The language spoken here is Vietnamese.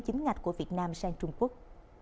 chính ngạch của việt nam sang trung quốc